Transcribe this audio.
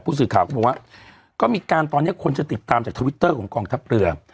สื่อข่าวก็บอกว่าก็มีการตอนนี้คนจะติดตามจากทวิตเตอร์ของกองทัพเรือ